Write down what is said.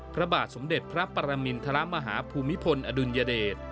พระบาทสมเด็จพระปรมินทรมาฮาภูมิพลอดุลยเดช